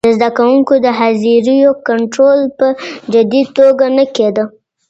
د زده کوونکو د حاضریو کنټرول په جدي توګه نه کيده.